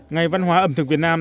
ngày văn hóa ẩm thực việt nam